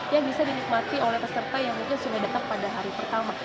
yang bisa dinikmati oleh peserta yang mungkin sudah datang pada hari pertama